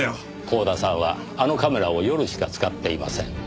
光田さんはあのカメラを夜しか使っていません。